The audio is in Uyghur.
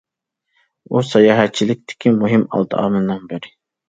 ئۇ ساياھەتچىلىكتىكى مۇھىم ئالتە ئامىلنىڭ بىرى.